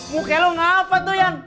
muka lu ngapa tuh yan